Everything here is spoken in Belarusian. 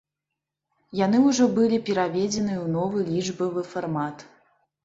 Яны ўжо былі пераведзеныя ў новы лічбавы фармат.